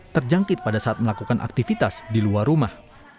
terjangkit pada saat melakukan aktivitas di luar rumah